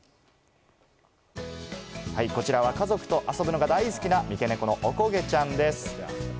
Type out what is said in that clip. こちらは家族と遊ぶのが大好きな三毛猫のおこげちゃんです。